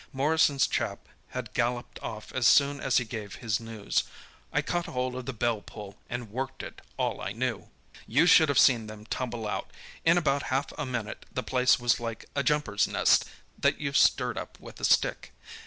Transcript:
Morrison's chap had galloped off as soon as he gave his news. I caught hold of the bell pull and worked it all I knew! "You should have seen them tumble out! In about half a minute the place was like a jumpers' nest that you've stirred up with a stick.